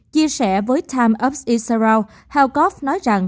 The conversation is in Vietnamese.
chia sẻ với times up israel helford nói